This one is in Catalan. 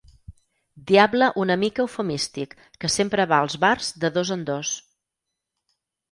Diable una mica eufemístic que sempre va als bars de dos en dos.